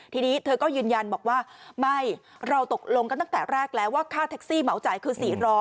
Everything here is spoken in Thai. ทีนี้เธอก็ยืนยันบอกว่าไม่เราตกลงกันตั้งแต่แรกแล้วว่าค่าแท็กซี่เหมาจ่ายคือ๔๐๐